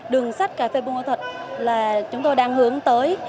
đường sắt cà phê buôn ma thuật là chúng tôi đang hướng tới